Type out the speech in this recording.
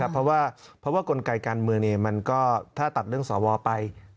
เพราะว่ากลไกการเมืองมันก็ถ้าตัดเรื่องสวไป